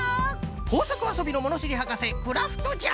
こうさくあそびのものしりはかせクラフトじゃ！